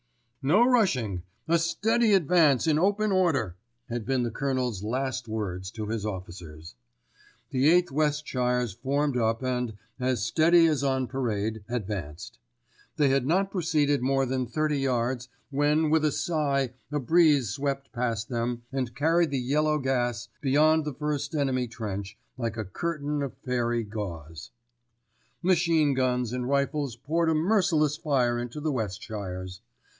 "No rushing, a steady advance in open order," had been the Colonel's last words to his officers. The 8th Westshires formed up and, as steady as on parade, advanced. They had not proceeded more than thirty yards when with a sigh a breeze swept past them and carried the yellow gas beyond the first enemy trench, like a curtain of fairy gauze. Machine guns and rifles poured a merciless fire into the Westshires.